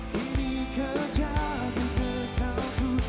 kini kejap kesesakanku